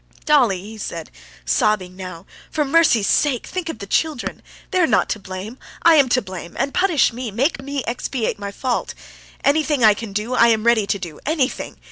"Dolly!" he said, sobbing now; "for mercy's sake, think of the children; they are not to blame! I am to blame, and punish me, make me expiate my fault. Anything I can do, I am ready to do anything!